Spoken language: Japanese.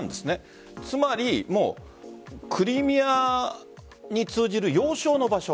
つまりクリミアに通じる要衝の場所。